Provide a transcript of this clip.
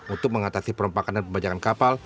untuk mengatasi perompakan dan pembajakan kapal